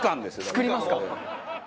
作りますか。